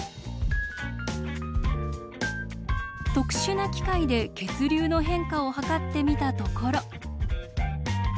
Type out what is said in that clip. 特殊な機械で血流の変化を測ってみたところ。